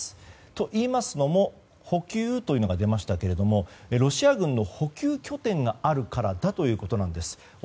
といいますのも補給というのが出ましたがロシア軍の補給拠点があるからだということです。